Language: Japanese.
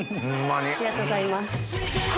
ありがとうございます。